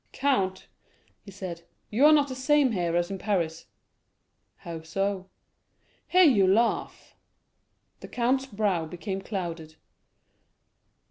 "Count," he said, "you are not the same here as in Paris." "How so?" "Here you laugh." The count's brow became clouded.